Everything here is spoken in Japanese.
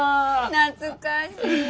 懐かしい。